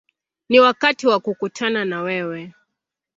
Ni wakati wa kukutana na wewe”.